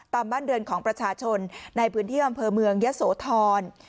บ้านเรือนของประชาชนในพื้นที่อำเภอเมืองยะโสธร